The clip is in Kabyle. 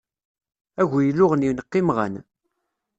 Agu iluɣen ineqq imɣan.